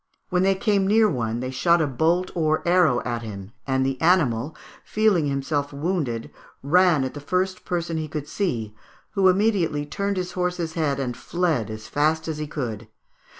When they came near one they shot a bolt or arrow at him, and the animal, feeling himself wounded, ran at the first person he could see, who immediately turned his horse's head and fled as fast as he could.